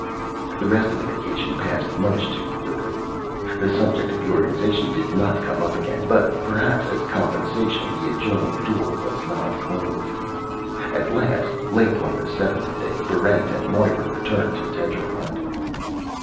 The rest of the vacation passed much too quickly. The subject of the organization did not come up again; but, perhaps as compensation, the adjoining door was not closed. At last, late on the seventh day, Barrent and Moera returned to Tetrahyde.